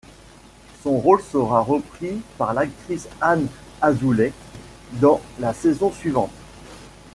Son rôle sera reprit par l'actrice Anne Azoulay dans la saison suivante.